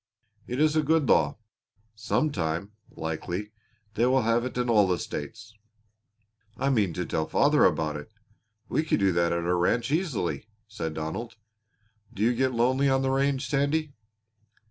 It is a good law. Some time, likely, they will have it in all the states." "I mean to tell father about it. We could do that at our ranch easily," said Donald. "Do you get lonely on the range, Sandy?"